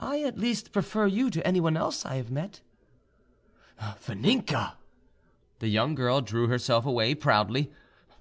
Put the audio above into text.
"I at least prefer you to anyone else I have met." "Vaninka!" The young girl drew herself away proudly.